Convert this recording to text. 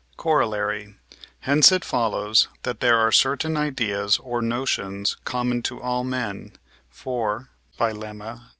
Corollary Hence it follows that there are certain ideas or notions common to all men; for (by Lemma ii.)